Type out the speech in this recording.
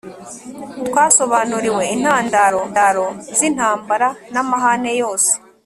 Twasobanuriwe intandaro z’intambara n’amahane yose.